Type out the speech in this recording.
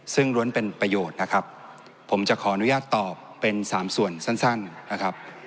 ซึ่งล้วนเป็นประโยชน์นะครับผมจะขออนุญาตตอบเป็นสามส่วนสั้นนะครับ